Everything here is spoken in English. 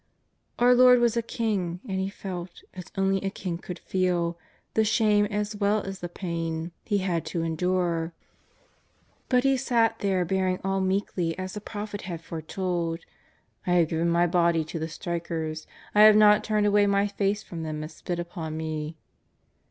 Our Lord was a king, and He felt, as only a king could feel, the shame as well as the pain He had to endure. But He sat there bearing all meekly as the prophet had foretold :^^ I have given my body to the strikers, I have not turned away my face from them that spit upon me."